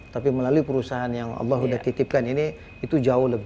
tapi melalui perusahaan yang allah sudah titipkan ini itu jauh lebih